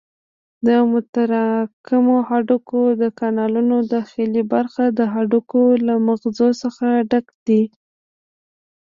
د متراکمو هډوکو د کانالونو داخلي برخه د هډوکو له مغزو څخه ډکې دي.